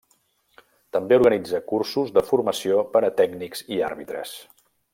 També organitza cursos de formació per a tècnics i àrbitres.